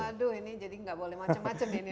waduh ini jadi nggak boleh macem macem nih